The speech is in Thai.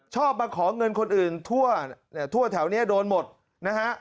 ชอบมาขอเงินคนอื่นทั่วแถวนี้โดนหมดนะฮะ